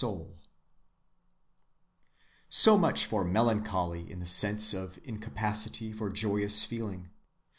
(77) So much for melancholy in the sense of incapacity for joyous feeling.